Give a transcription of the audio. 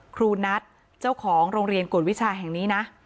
ครูนัทเจ้าของโรงเรียนกวดวิชาแห่งนี้นะ